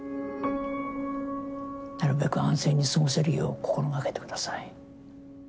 なるべく安静に過ごせるよう心掛けてください。